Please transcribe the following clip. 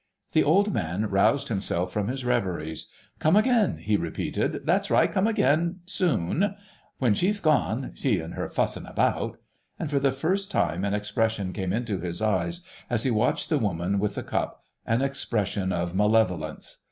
The old man roused himself from his reveries. "Come again," he repeated, "that's right, come again—soon. When she's gone—she an' her fussin' about," and for the first time an expression came into his eyes, as he watched the woman with the cup, an expression of malevolence.